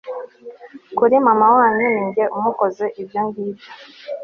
kuri mama wanyu ninjye umukoze ibyo ngibyo